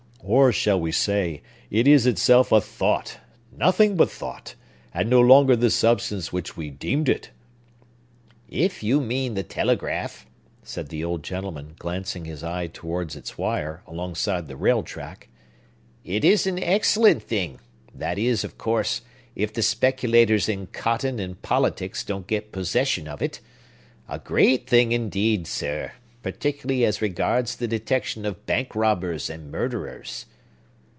Or, shall we say, it is itself a thought, nothing but thought, and no longer the substance which we deemed it!" "If you mean the telegraph," said the old gentleman, glancing his eye toward its wire, alongside the rail track, "it is an excellent thing,—that is, of course, if the speculators in cotton and politics don't get possession of it. A great thing, indeed, sir, particularly as regards the detection of bank robbers and murderers."